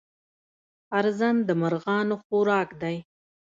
ارزن د مرغانو خوراک دی.